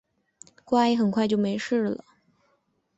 乖，很快就没事了